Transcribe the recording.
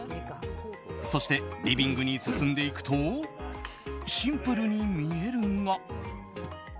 そして、リビングに進んでいくとシンプルに見えるが。